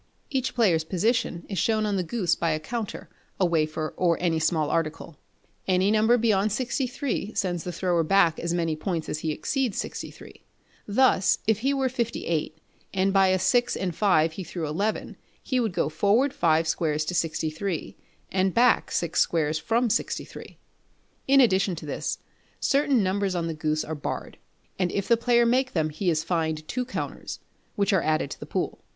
Each player's position is shown on the goose by a counter, a wafer, or any small article. Any number beyond 63 sends the thrower back as many points as he exceeds 63. Thus if he were 58, and by a 6 and 5 he threw eleven he would go forward 5 squares to 63, and back 6 squares from 63. In addition to this, certain numbers on the goose are barred; and if the player make them he is fined two counters, which are added to the pool.